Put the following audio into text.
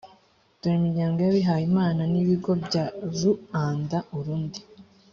dore imiryango y abihayimana n ibigo bya ruanda urundi